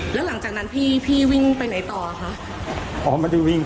อ๋อได้ยินครับกี่นัทพี่ตอนกี่นัท๔๕นัทครับ๔๕นัทด้วยหรอ